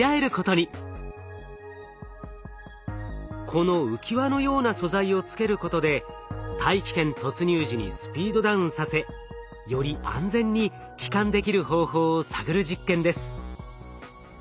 この浮き輪のような素材をつけることで大気圏突入時にスピードダウンさせより安全に帰還できる方法を探る実験です。